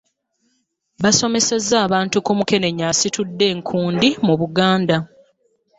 Basomesezza abantu ku Mukenenya asitudde enkundi mu Buganda.